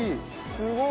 すごい！